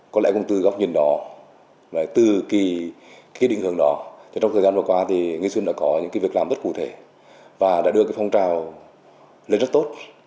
có lẽ cũng từ góc nhìn đó từ khi định hướng đó trong thời gian vừa qua thì nghi xuân đã có những việc làm rất cụ thể và đã đưa cái phong trào lên rất tốt